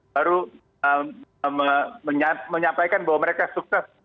baru menyampaikan bahwa mereka sukses